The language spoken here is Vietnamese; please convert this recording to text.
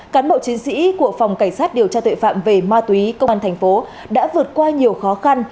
cán bộ chiến sĩ của phòng cảnh sát điều tra tội phạm về ma túy công an thành phố đã vượt qua nhiều khó khăn